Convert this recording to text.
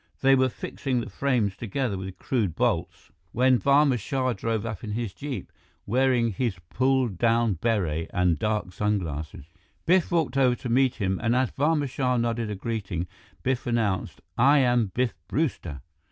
They were fixing the frames together with crude bolts when Barma Shah drove up in his jeep, wearing his pulled down beret and dark sun glasses. Biff walked over to meet him and as Barma Shah nodded a greeting, Biff announced, "I am Biff Brewster."